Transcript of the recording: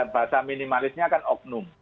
bahasa minimalisnya kan oknum